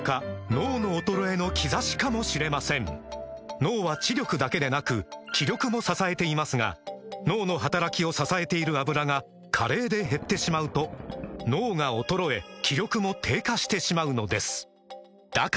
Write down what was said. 脳の衰えの兆しかもしれません脳は知力だけでなく気力も支えていますが脳の働きを支えている「アブラ」が加齢で減ってしまうと脳が衰え気力も低下してしまうのですだから！